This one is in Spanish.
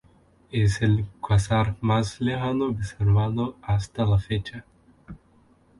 Es el cuásar más lejano observado hasta la fecha.